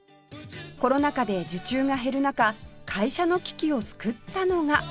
コロナ禍で受注が減る中会社の危機を救ったのが